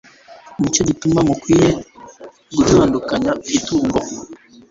ni cyo gituma mukwiriye gutandukanya itungo